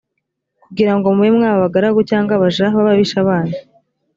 kugira ngo mube mwaba abagaragu cyangwa abaja b’ababisha banyu,